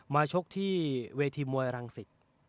ชกที่เวทีมวยรังสิต